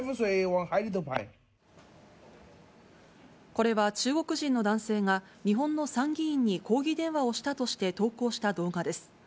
これは中国人の男性が、日本の参議院に抗議電話をしたとして投稿した動画です。